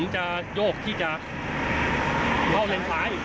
ที่จะโยกีที่จะล่อแรงไฟ